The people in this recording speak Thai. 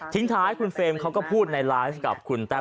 ท้ายคุณเฟรมเขาก็พูดในไลฟ์กับคุณแต้ว